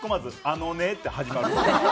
「あのね」って始まる。